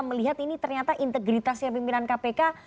melihat ini ternyata integritasnya pimpinan kpk